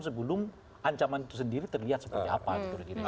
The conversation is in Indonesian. sebelum ancaman itu sendiri terlihat seperti apa